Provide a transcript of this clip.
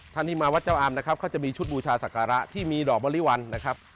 ท่านที่มาวัดเจ้าอามนะครับเขาจะมีชุดบูชาศักระที่มีดอกบริวัลนะครับ